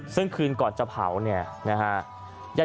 ซึ่งคืนก่อนจะเผาเนี่ยนะฮะ